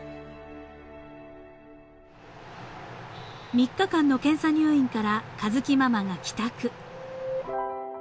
［３日間の検査入院から佳月ママが帰宅］